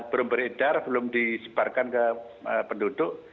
belum beredar belum disebarkan ke penduduk